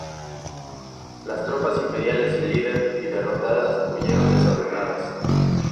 Las tropas imperiales sin líder y derrotadas huyeron desordenadas.